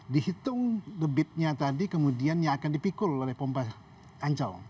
dihitung debitnya tadi kemudian yang akan dipikul oleh pompa ancol